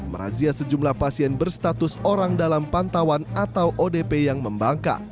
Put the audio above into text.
merazia sejumlah pasien berstatus orang dalam pantauan atau odp yang membangka